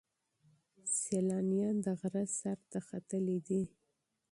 سیلانیان د غره سر ته ختلي دي.